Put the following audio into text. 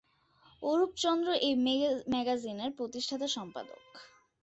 অরূপ চন্দ্র এই ম্যাগাজিনের প্রতিষ্ঠাতা সম্পাদক।